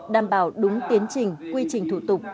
đảm bảo đúng tiến trình quy trình thủ tục